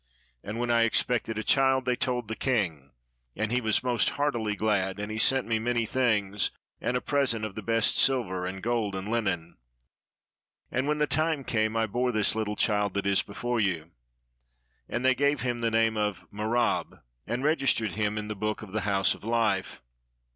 And when I expected a child, they told the king, and he was most heartily glad; and he sent me many things, and a present of the best silver and gold and linen. And when the time came, I bore this little child that is before you. And they gave him the name of Merab, and registered him in the book of the "House of Life."